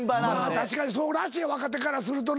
確かにそうらしい若手からするとな。